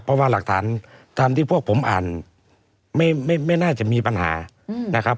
เพราะว่าหลักฐานตามที่พวกผมอ่านไม่น่าจะมีปัญหานะครับ